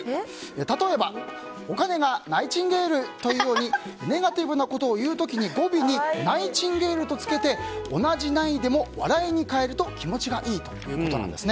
例えば、お金がナイチンゲールというようにネガティブなことを言う時に語尾にナイチンゲールとつけて同じないでも笑いに変えると気持ちがいいということなんです。